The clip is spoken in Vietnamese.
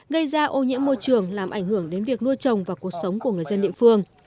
gây ra ô nhiễm môi trường làm ảnh hưởng đến việc nuôi trồng và cuộc sống của người dân địa phương